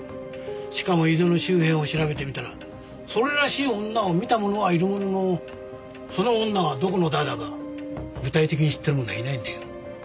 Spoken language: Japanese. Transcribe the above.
しかも井出の周辺を調べてみたらそれらしい女を見た者はいるもののその女がどこの誰だか具体的に知ってる者はいないんだよ。